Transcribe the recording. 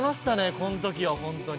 このときは本当に。